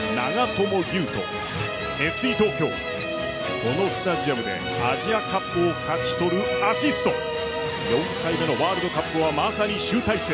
このスタジアムでアジアカップを勝ち取るアシスト４回目のワールドカップはまさに集大成。